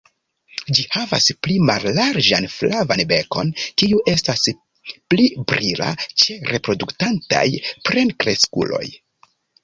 Ĝi havas pli mallarĝan flavan bekon, kiu estas pli brila ĉe reproduktantaj plenkreskuloj.